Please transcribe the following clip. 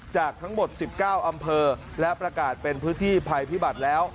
จากทั้งหมด๑๙อำเภอและประกาศเป็นพื้นที่ภัยพิบัติแล้ว